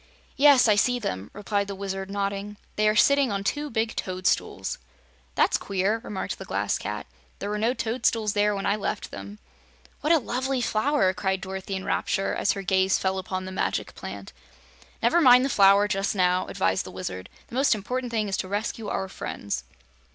"Yes, I see them," replied the Wizard, nodding. "They are sitting on two big toadstools." "That's queer," remarked the Glass Cat. "There were no toadstools there when I left them." "What a lovely flower!" cried Dorothy in rapture, as her gaze fell on the Magic Plant. "Never mind the Flower, just now," advised the Wizard. "The most important thing is to rescue our friends."